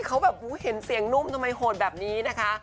เขาแบบเห็นเสียงนุ่มทำไมโหดแบบนี้นะคะ